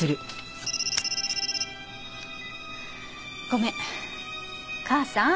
ごめん。